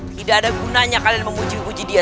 tidak ada gunanya kalian menguji uji dia